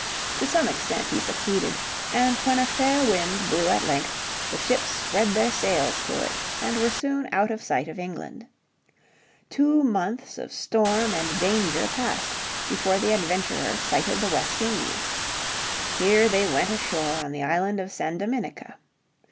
To some extent he succeeded. And when a fair wind blew at length the ships spread their sails to it and were soon out of sight of England. Two months of storm and danger passed before the adventurers sighted the West Indies. Here they went ashore on the island of San Dominica.